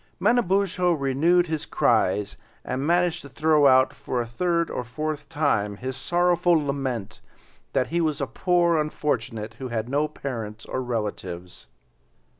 Manabozho renewed his cries and managed to throw out for a third or fourth time, his sorrowful lament that he was a poor unfortunate who had no parents or relatives.